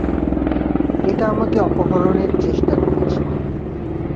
এটা আমাকে অপহরণের চেষ্টা করছিল।